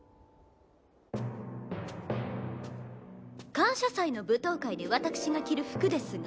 感謝祭の舞踏会で私が着る服ですが。